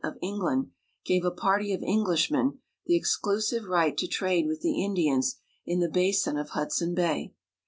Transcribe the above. of England gave a party of Englishmen the exclusive right to trade with the Indi ans in the basin of Hudson Bay.